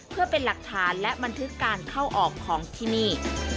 เพื่อเป็นหลักฐานและบันทึกการเข้าออกของที่นี่